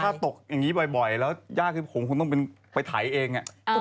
ถ้าตกอย่างนี้บ่อยแล้วย่ากระหว่งคุณต้องไปถ่ายเอง